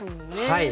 はい。